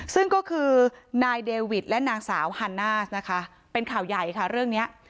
ซึ่งก็คือนายเดวิดและนางสาวฮันน่านะคะเป็นข่าวใหญ่ค่ะเรื่องนี้